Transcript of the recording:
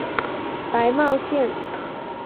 白茂线